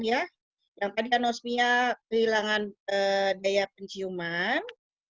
yang tadi anosmia kehilangan daya penciuman